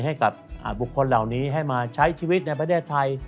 ให้กับบุคคลเหล่านี้ให้มาใช้ชีวิตในประเทศไทย